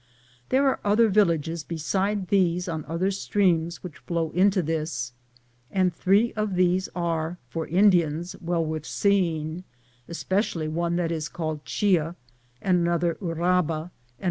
There are other villages besides these on other streams which flow into this, and three of these are, for In dians, well worth seeing, especially one that is called Chia,' and another Uraba,' and another Cicuique.